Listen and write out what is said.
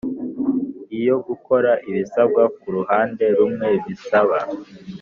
Iyo gukora ibisabwa ku ruhande rumwe bisaba